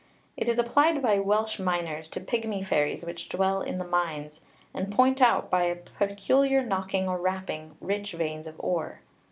It is applied by Welsh miners to pigmy fairies which dwell in the mines, and point out, by a peculiar knocking or rapping, rich veins of ore.